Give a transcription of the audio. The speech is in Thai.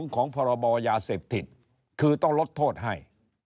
ของพรบยาเสพติดคือต้องลดโทษให้